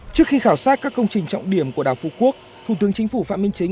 trước khi khảo sát các công trình trọng điểm của đảo phú quốc thủ tướng chính phủ phạm minh chính